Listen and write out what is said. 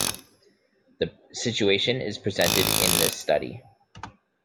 The situation is presented in this study.